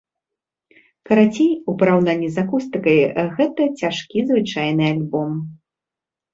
Карацей, у параўнанні з акустыкай гэта цяжкі звычайны альбом.